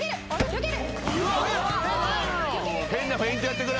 よける。